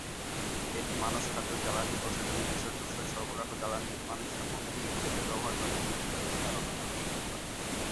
এটি মানুষ খাদ্য, জ্বালানী, প্রসাধনী, ভেষজ ঔষধ সরবরাহ, দালান নির্মান সামগ্রী হিসেবে ব্যবহার করে এবং এর রয়েছে আরও নানাবিধ ব্যবহার।